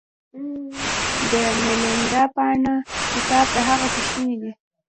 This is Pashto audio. د میلیندا پانه کتاب د هغه پوښتنې دي